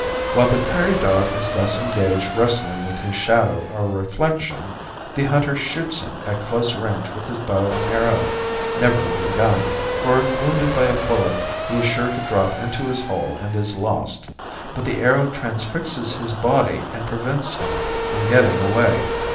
While the prairie dog is thus engaged wrestling with his shadow or reflection the hunter shoots him at close range with his bow and arrow never with a gun, for if wounded by a bullet he is sure to drop into his hole and is lost, but the arrow transfixes his body and prevents him from getting away.